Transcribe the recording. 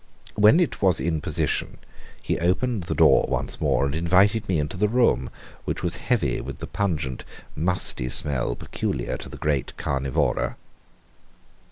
When it was in position he opened the door once more and invited me into the room, which was heavy with the pungent, musty smell peculiar to the great carnivora.